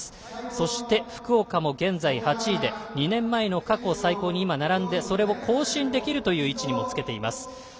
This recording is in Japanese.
そして福岡も現在８位で２年前の過去最高に並んでそれを更新できる位置にもつけています。